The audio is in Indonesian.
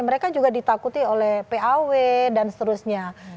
mereka juga ditakuti oleh paw dan seterusnya